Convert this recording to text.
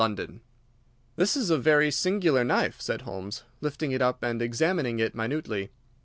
London. "This is a very singular knife," said Holmes, lifting it up and examining it minutely.